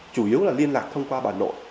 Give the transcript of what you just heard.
chủ yếu là liên lạc thông qua bà nội